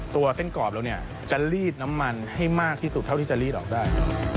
ตัวเส้นกรอบเราเนี่ยจะลีดน้ำมันให้มากที่สุดเท่าที่จะลีดออกได้